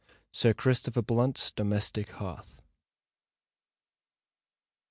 SIR CHRISTOPHER BLUNT'S DOMESTIC HEARTH.